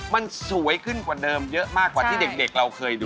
มันสวยขึ้นกว่าเดิมเยอะมากกว่าที่เด็กเราเคยดู